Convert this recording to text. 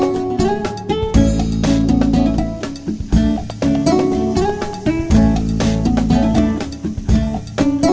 กลับเข้ามาเลย